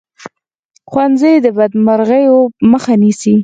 ښوونځی د بدمرغیو مخه نیسي